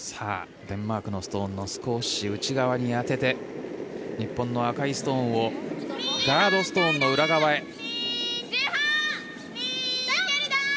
デンマークのストーンの少し内側に当てて日本の赤いストーンをガードストーンの裏側へ。